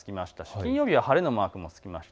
金曜日に晴れのマークが付きました。